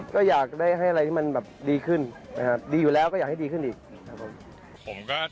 ก็อยากได้ให้อะไรที่มันดีขึ้นดีอยู่แล้วก็อยากให้ดีขึ้นอีก